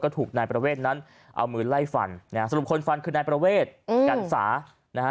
ถูกนายประเวทนั้นเอามือไล่ฟันนะฮะสรุปคนฟันคือนายประเวทกันสานะฮะ